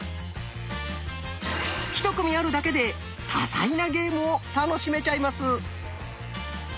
１組あるだけで多彩なゲームを楽しめちゃいます。